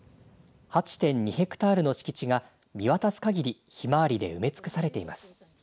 ８．２ヘクタールの敷地が見渡す限りひまわりで埋め尽くされています。